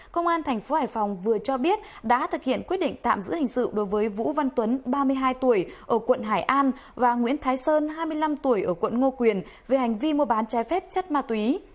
công an tp hải phòng vừa cho biết đã thực hiện quyết định tạm giữ hình sự đối với vũ văn tuấn ba mươi hai tuổi ở quận hải an và nguyễn thái sơn hai mươi năm tuổi ở quận ngô quyền về hành vi mua bán trái phép chất ma túy